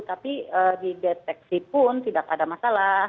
tapi di deteksi pun tidak ada masalah